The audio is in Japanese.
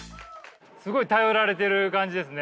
すごい頼られている感じですね。